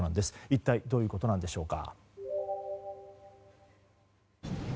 一体どういうことなんでしょうか。